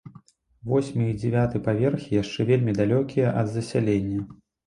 Восьмы і дзявяты паверхі яшчэ вельмі далёкія ад засялення.